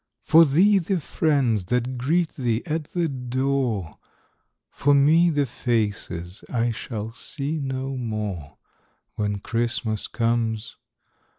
For thee, the friends that greet thee at the door, For me, the faces I shall see no more, When Christmas comes.